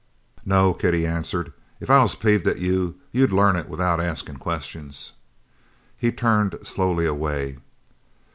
"No, kid," he answered, "if I was peeved at you, you'd learn it without askin' questions." He turned slowly away.